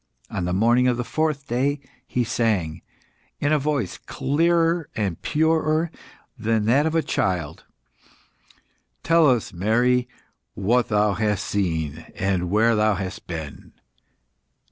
On the morning of the fourth day, he sang, in a voice clearer and purer than that of a child "Tell us, Mary, what thou hast seen where thou hast been?"